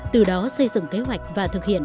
từ đó xây dựng kế hoạch và thực hiện